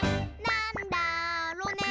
なんだろね。